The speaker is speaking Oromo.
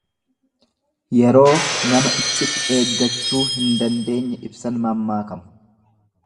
Yeroo nama icciti eeggachuu hin dandeenye ibsan mammaakama.